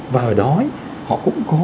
và ở đó họ cũng có